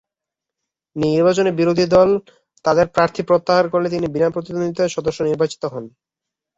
নির্বাচনে বিরোধী দল তাদের প্রার্থী প্রত্যাহার করলে তিনি বিনা প্রতিদ্বন্দ্বিতায় সংসদ সদস্য নির্বাচিত হন।